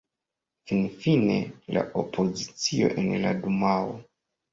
Finfine la opozicio en la dumao.